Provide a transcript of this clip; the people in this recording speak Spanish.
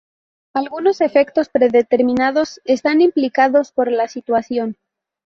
Algunos efectos predeterminados están implicados por la situación.